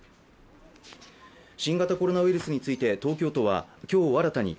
新型コロナウイルスについて、東京都は今日新たに、